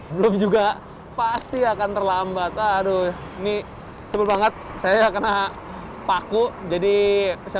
belum juga pasti akan terlambat aduh ini seru banget saya kena paku jadi saya